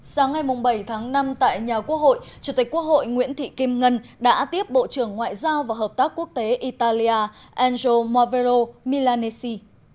sáng ngày bảy tháng năm tại nhà quốc hội chủ tịch quốc hội nguyễn thị kim ngân đã tiếp bộ trưởng ngoại giao và hợp tác quốc tế italia angelo movero milanessi